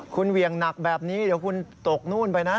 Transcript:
คุณเหวี่ยงหนักแบบนี้เดี๋ยวคุณตกนู่นไปนะ